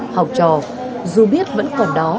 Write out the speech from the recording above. học trò dù biết vẫn còn đó